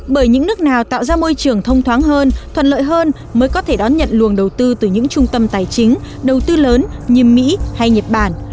bởi những nước nào tạo ra môi trường thông thoáng hơn thuận lợi hơn mới có thể đón nhận luồng đầu tư từ những trung tâm tài chính đầu tư lớn như mỹ hay nhật bản